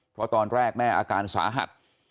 เพราะตอนแรกแม่อาการสาหัส